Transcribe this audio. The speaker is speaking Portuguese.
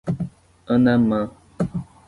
Anamã